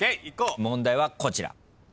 問題はこちら。